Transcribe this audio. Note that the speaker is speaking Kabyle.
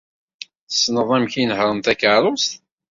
Tessneḍ amek i nehhṛen takeṛṛust?